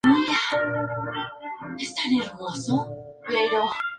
El ruido marrón está compuesto principalmente por frecuencias graves y medias.